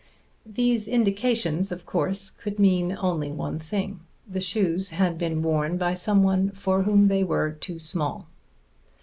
These indications, of course, could mean only one thing. The shoes had been worn by someone for whom they were too small.